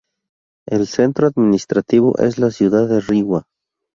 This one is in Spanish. El centro administrativo es la ciudad de Rewa.